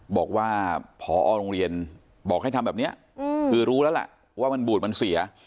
บอกว่าพอโรงเรียนบอกให้ทำแบบนี้คือรู้แล้วล่ะว่ามันบูดมันเสีย